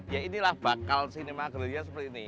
ya inilah bakal sinema agrelia seperti ini